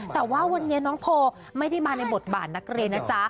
แต่ว่าวันนี้น้องโพลไม่ได้มาในบทบาทนักเรียนนะจ๊ะ